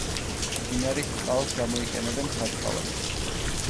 მდინარის წყალს გამოიყენებენ სარწყავად.